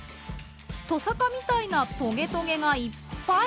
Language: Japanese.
とさかみたいなトゲトゲがいっぱい。